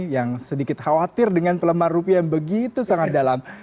yang sedikit khawatir dengan pelemahan rupiah yang begitu sangat dalam